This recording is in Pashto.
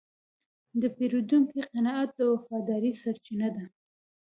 د پیرودونکي قناعت د وفادارۍ سرچینه ده.